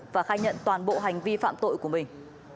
và khai nhận toàn bộ hành vi phạm tội của mình